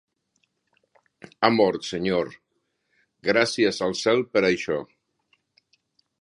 "Ha mort, senyor." "Gràcies al cel per això".